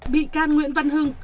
bị can nguyễn văn hưng